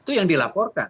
itu yang dilaporkan